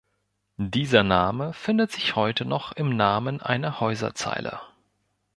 Dieser Name findet sich heute noch im Namen einer Häuserzeile.